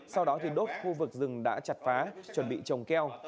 sau đó thì đốt khu vực rừng đã chặt phá chuẩn bị trồng keo